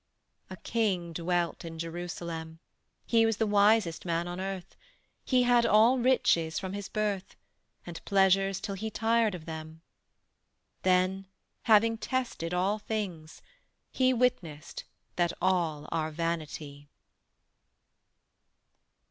A King dwelt in Jerusalem; He was the wisest man on earth; He had all riches from his birth, And pleasures till he tired of them; Then, having tested all things, he Witnessed that all are vanity.